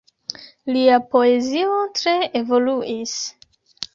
Lia poezio tre evoluis.